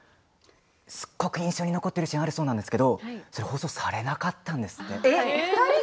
すごく印象に残っているシーンがあるそうなんですけれどもそれが放送されなかったんです。